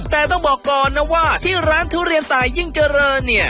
แต่ต้องบอกก่อนนะว่าที่ร้านทุเรียนตายยิ่งเจริญเนี่ย